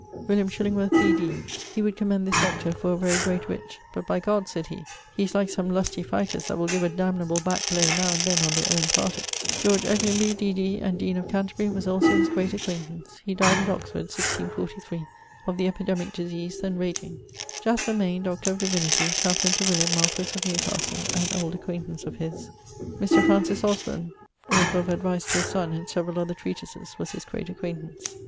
William Chillingworth, D.D. he would commend this doctor for a very great witt; 'But by G ' said he, 'he is like some lusty fighters that will give a damnable back blow now and then on their owne party.' George Eglionby, D.D. and deane of Canterbury, was also his great acquaintance. He died at Oxford, 1643, of the epidemique disease then rageing. Jasper Mayne, Doctor of Divinity (chaplain to William, marquesse of Newcastle), an old acquaintance of his. Mr. Francis Osburne, author of 'Advice to a son' and severall other treatises, was his great acquaintance.